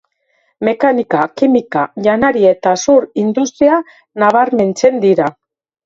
Mekanika, kimika, janari eta zur industria nabarmentzen dira.